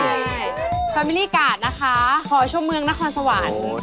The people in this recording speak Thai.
ใช่ความิลลี่การ์ดนะคะหอชมเมืองนครสวรรค์โอ้โฮ